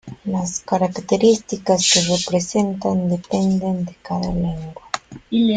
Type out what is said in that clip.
Las características que representan dependen de cada lengua.